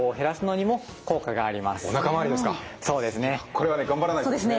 これは頑張らないとね。